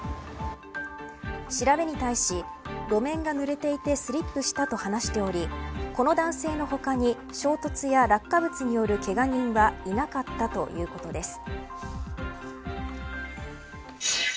調べに対し路面がぬれていてスリップしたと話しておりこの男性の他に衝突や落下物によるけが人はいなかったということです。